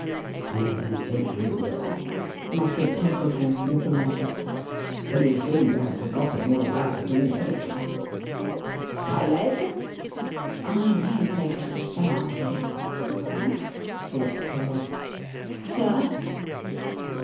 "I don't think you will," muttered Tackleton, looking at her; "for you seem to have forgotten all about it, already. Caleb!" "I may venture to say I'm here, I suppose," thought Caleb. "Sir!"